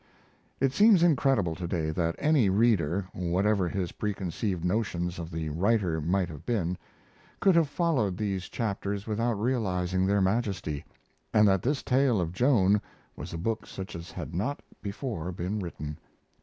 It seems incredible to day that any reader, whatever his preconceived notions of the writer might have been, could have followed these chapters without realizing their majesty, and that this tale of Joan was a book such as had not before been written.